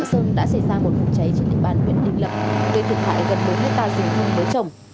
đưa thực hại gần bốn hectare rừng không với trồng